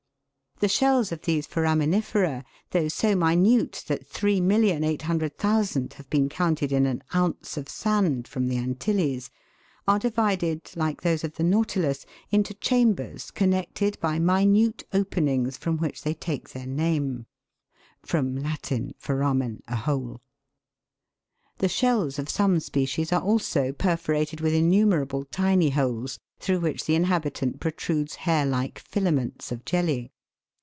139 The shells of these foraminifera, though so minute that 3,800,000 have been counted in an ounce of sand from the Antilles, are divided, like those of the nautilus, into chambers connected by minute openings, from which they take their name.* The shells of some species are also perforated with innumerable tiny holes through which the inhabitant pro trudes hair like filaments of jelly.